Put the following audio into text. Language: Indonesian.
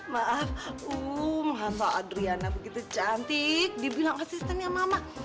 maaf uh masa adriana begitu cantik dibilang asistennya mama